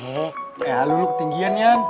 eh lu lu ke tinggihan yan